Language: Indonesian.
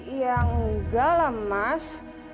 ya nggak lah mas